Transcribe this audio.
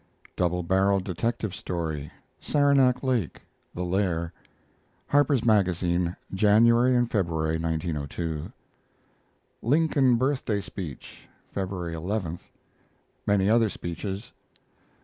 DOUBLE BARREL DETECTIVE STORY (Saranac Lake, "The Lair") Harper's Magazine, January and February, 1902. Lincoln Birthday Speech, February 11. Many other speeches.